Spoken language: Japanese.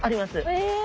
え！